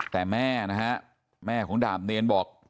แต่แม่นะฮะแม่ของดาบเนรบอก